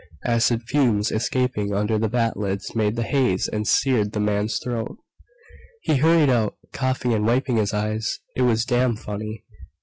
Acid fumes escaping under the vat lids made the haze and seared the man's throat. He hurried out, coughing and wiping his eyes. It was damn funny.